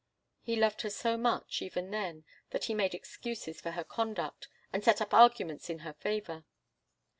He loved her so much, even then, that he made excuses for her conduct, and set up arguments in her favour.